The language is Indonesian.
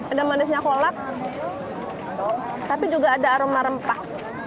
ada manisnya kolak tapi juga ada aroma rempah